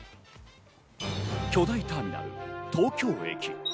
巨大ターミナル・東京駅。